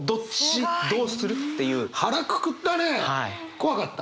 怖かった？